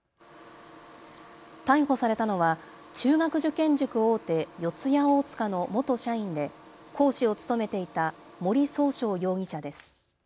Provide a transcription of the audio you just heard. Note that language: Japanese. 逮捕されたのは中学受験塾大手、四谷大塚の元社員で講師を務めていた森崇翔容疑者です。